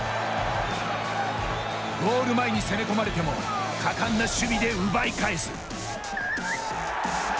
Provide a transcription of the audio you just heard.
ゴール前に攻め込まれても果敢な守備で奪い返す。